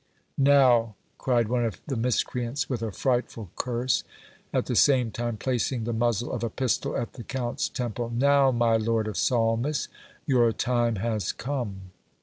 "Now," cried one of the miscreants with a frightful curse, at the same time placing the muzzle of a pistol at the Count's temple, "now, my lord of Salmis, your time has come!"